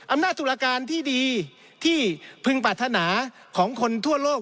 ตุลาการที่ดีที่พึงปรารถนาของคนทั่วโลก